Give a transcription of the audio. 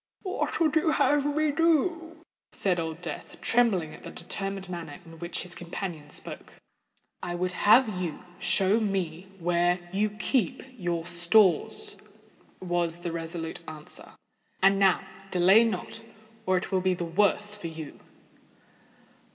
"What would you have me do?" said Old Death, trembling at the determined manner in which his companion spoke. "I would have you show me where you keep your stores," was the resolute answer. "And now—delay not—or it will be the worse for you."